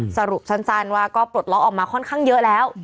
สรุปสั้นว่าก็ปลดล็อกออกมาค่อนข้างเยอะแล้ว